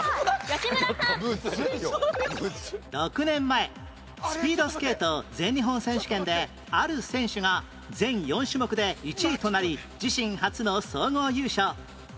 ６年前スピードスケート全日本選手権である選手が全４種目で１位となり自身初の総合優勝